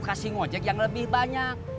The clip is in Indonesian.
kasih ngojek yang lebih banyak